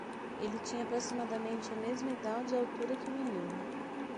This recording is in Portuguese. Ele tinha aproximadamente a mesma idade e altura que o menino.